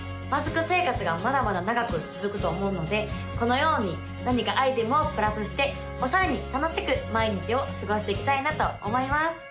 マスク生活がまだまだ長く続くと思うのでこのように何かアイテムをプラスしてオシャレに楽しく毎日を過ごしていきたいなと思います